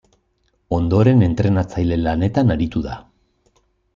Ondoren entrenatzaile lanetan aritu da.